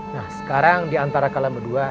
nah sekarang diantara kalian berdua